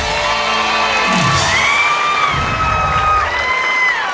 เมื่อสักครู่นี้ถูกต้องทั้งหมด